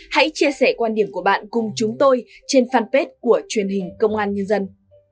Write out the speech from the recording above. hãy chia sẻ quan điểm của bạn cùng chúng tôi trên fanpage của truyền hình công an nhân dân